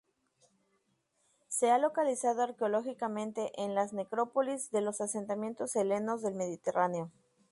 Se ha localizado arqueológicamente en las necrópolis de los asentamientos helenos del Mediterráneo.